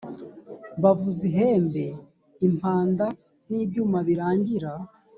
bavuza ihembe impanda n ibyuma birangira